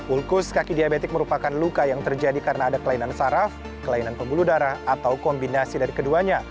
ulkus kaki diabetik merupakan luka yang terjadi karena ada kelainan saraf kelainan pembuluh darah atau kombinasi dari keduanya